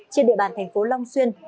trên địa bàn thành phố long xuân